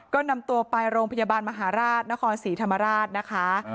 ก็นำตัวไปโรงพยาบาลมหาราชนครศรีธรรมราชนะคะ